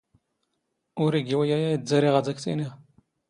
ⵓⵔ ⵉⴳⵉ ⵓⵢⴰ ⴰⵢⴷⴷⴰ ⵔⵉⵖ ⴰⴷ ⴰⴽ ⵜ ⵉⵏⵉⵖ.